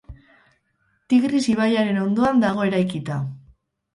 Tigris ibaiaren ondoan dago eraikita.